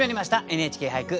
「ＮＨＫ俳句」。